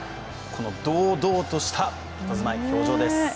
この堂々としたたたずまい、表情です。